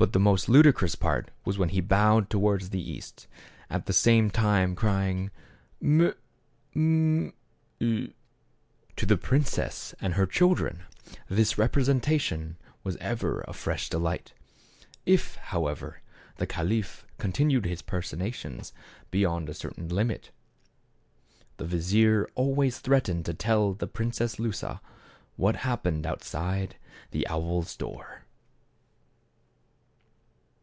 But the most ludicrous part was when he bowed towards the east, at the same time crying "Mu — M — u." To the princess and her children, this repre sentation was ever a fresh delight. If, however, the caliph continued his personations beyond a certain limit the vizier always threatened to tell the Princess Lusa what happened outside the owl's door.